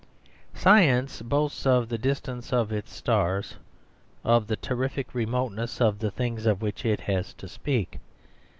Science boasts of the distance of its stars; of the terrific remoteness of the things of which it has to speak.